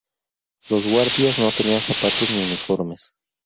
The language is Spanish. Los guardias no tenían zapatos ni uniformes.